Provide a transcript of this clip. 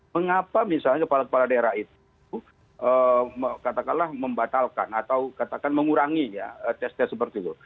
mengapa misalnya kepala kepala daerah itu katakanlah membatalkan atau katakan mengurangi ya tes tes seperti itu